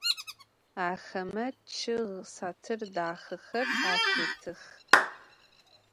Axeme ççıg satır daxexer atêtıx.